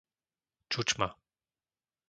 Čučma